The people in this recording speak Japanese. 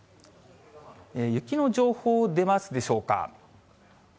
雪の情報、出ますでしょうか。